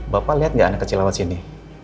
bapak lihat nggak anak kecil lewat sini